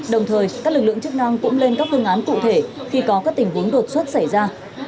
đồng thời các lực lượng chức năng cũng lên các phương án cụ thể khi có các tình huống đột xuất xảy ra